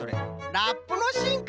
ラップのしんか。